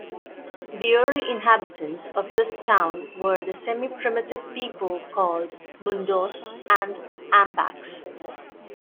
The early inhabitants of this town were the semi-primitive people called "Mundos" and "Ambaks".